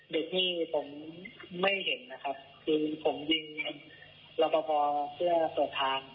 เด็กนี่ผมไม่เห็นนะครับคือผมยิงรอปภเพื่อเปิดทาง